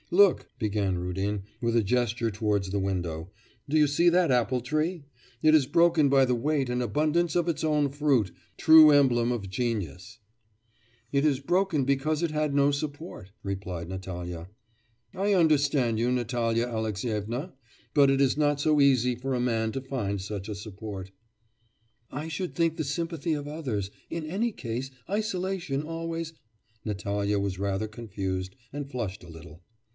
'Look.' began Rudin, with a gesture towards the window, 'do you see that apple tree? It is broken by the weight and abundance of its own fruit. True emblem of genius.' 'It is broken because it had no support,' replied Natalya. 'I understand you, Natalya Alexyevna, but it is not so easy for a man to find such a support.' 'I should think the sympathy of others... in any case isolation always....' Natalya was rather confused, and flushed a little.